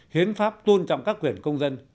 hiến pháp tôn trọng các quyền công dân